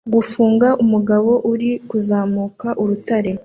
Gufunga umugabo uri kuzamuka urutare